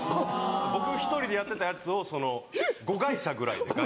僕１人でやってたやつをその５会社ぐらいで。